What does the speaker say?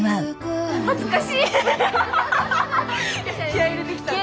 気合い入れてきた。